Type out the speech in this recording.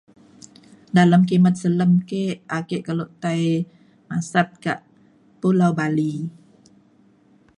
Dalem kimet selem ke ake kelo tai masat ka Pulau Bali.